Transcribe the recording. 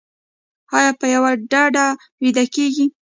ایا په یوه ډډه ویده کیږئ؟